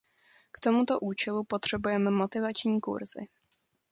K tomuto účelu potřebujeme motivační kurzy.